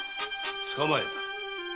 捕まえた。